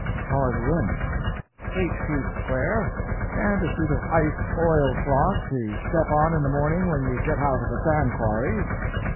"How are the rooms?" "Eight feet square; and a sheet of iced oil cloth to step on in the morning when you get out of the sand quarry."